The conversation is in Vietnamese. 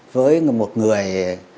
với một người